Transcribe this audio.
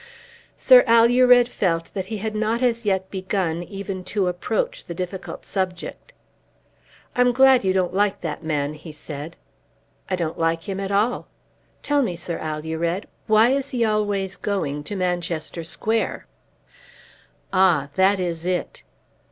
Sir Alured felt that he had not as yet begun even to approach the difficult subject. "I'm glad you don't like that man," he said. "I don't like him at all. Tell me, Sir Alured; why is he always going to Manchester Square?" "Ah; that is it."